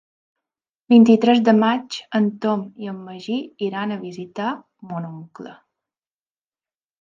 El vint-i-tres de maig en Tom i en Magí iran a visitar mon oncle.